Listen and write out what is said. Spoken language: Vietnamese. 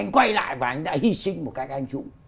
anh ấy quay lại và anh ấy đã hy sinh một cách anh chủ